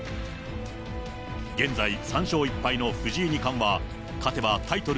現在、３勝１敗の藤井二冠は、勝てばタイトル